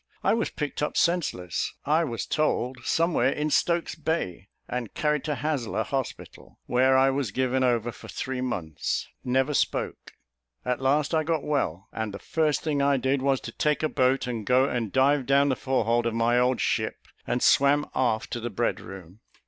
I was picked up senseless. I was told somewhere in Stokes bay, and carried to Haslar hospital, where I was given over for three months never spoke. At last I got well; and the first thing I did, was to take a boat and go and dive down the fore hold of my old ship, and swam aft to the bread room."